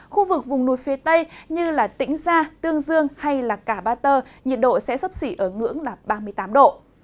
khu vực vùng núi phía tây như tĩnh gia tương dương hay cả ba tơ nhiệt độ sẽ sấp xỉ ở ngưỡng là ba mươi tám độ